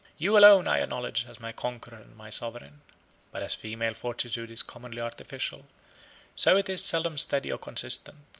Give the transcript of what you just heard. You alone I acknowledge as my conqueror and my sovereign." 73 But as female fortitude is commonly artificial, so it is seldom steady or consistent.